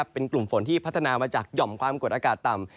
เป็นกลุ่มฝนที่พัฒนามาจากหย่อมความกดอากาศต่ำ